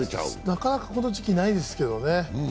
なかなかこの時期ないですけどね。